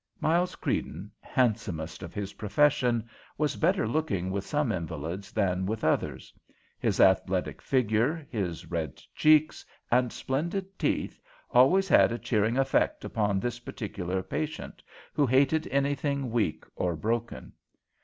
Miles Creedon, handsomest of his profession, was better looking with some invalids than with others. His athletic figure, his red cheeks, and splendid teeth always had a cheering effect upon this particular patient, who hated anything weak or broken.